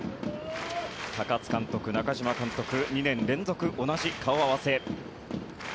高津監督、中嶋監督２年連続同じ顔合わせ。